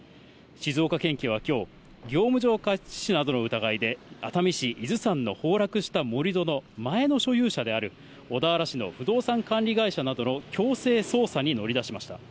静岡県警はきょう、業務上過失致死などの疑いで、熱海市伊豆山の崩落した盛り土の前の所有者である、小田原市の不動産管理会社などの強制捜査に乗り出しました。